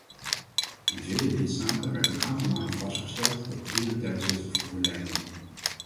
In vele lidstaten werd een aantal malen vastgesteld dat dieren tijdens het vervoer lijden.